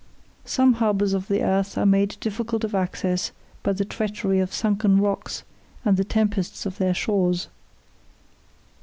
Some harbours of the earth are made difficult of access by the treachery of sunken rocks and the tempests of their shores.